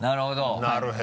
なるほど。